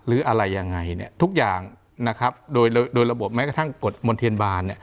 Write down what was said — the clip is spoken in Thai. หรืออะไรยังไงเนี่ยทุกอย่างนะครับโดยระบบแม้กระทั่งกฎมนเทียนบาล